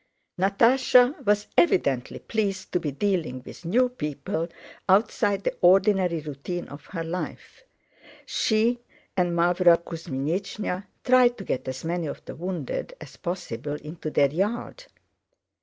Natásha was evidently pleased to be dealing with new people outside the ordinary routine of her life. She and Mávra Kuzmínichna tried to get as many of the wounded as possible into their yard.